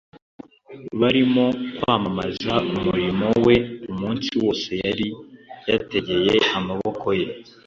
barimo kwamamaza umurimo we. Umunsi wose yari yategeye amaboko ye